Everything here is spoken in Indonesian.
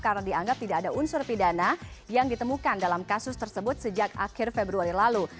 karena dianggap tidak ada unsur pidana yang ditemukan dalam kasus tersebut sejak akhir februari lalu